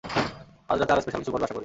আজ রাতে আরো স্পেশাল কিছু করবে আশাকরি।